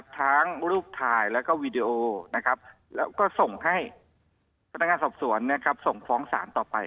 ทั้งรูปถ่ายแล้วก็วีดีโอนะครับแล้วก็ส่งให้พนักงานสอบสวนส่งฟ้องศาลต่อไป